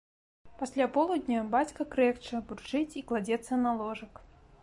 Пасля полудня бацька крэкча, бурчыць і кладзецца на ложак.